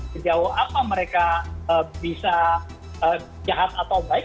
sejauh apa mereka bisa jahat atau baik